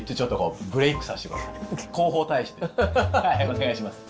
お願いします。